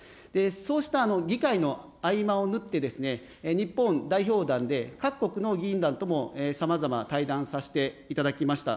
そうした議会の合間を縫って、日本代表団で、各国の議員団ともさまざま、対談させていただきました。